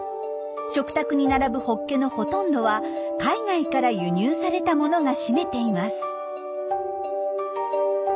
食卓に並ぶホッケのほとんどは海外から輸入されたものが占めています。